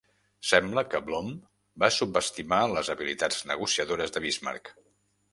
Sembla que Blome va subestimar les habilitats negociadores de Bismarck.